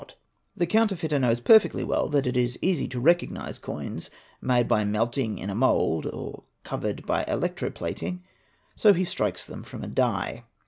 836 CHEATING AND FRAUD The counterfeiter knows perfectly well that it is easy to recognise coins made by melting in a mould or covered by electroplating, so he strikes them from a die.